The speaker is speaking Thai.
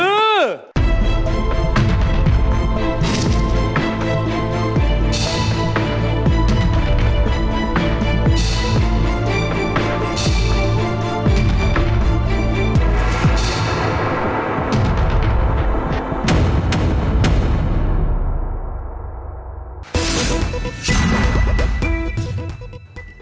เครียดช่วยกับผู้ชายของนั้น